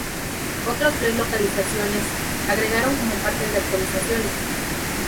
Otros tres localizaciones se agregaron como parte de actualizaciones.